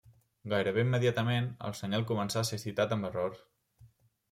Gairebé immediatament, el senyal començà a ser citat amb errors.